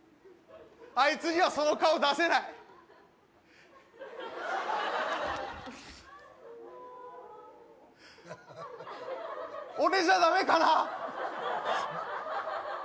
あいつにはその顔出せない俺じゃダメかな？